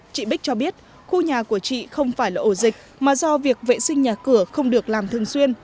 chị bích cho biết khu nhà của chị không phải là ổ dịch mà do việc vệ sinh nhà cửa không được làm thường xuyên